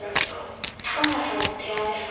高村さんの提案ですか？